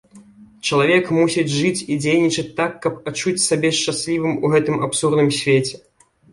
Чалавек мусіць жыць і дзейнічаць так, каб адчуць сябе шчаслівым у гэтым абсурдным свеце.